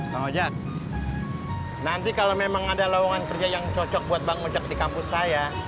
bang ojek nanti kalau memang ada lowongan kerja yang cocok buat bang ojak di kampus saya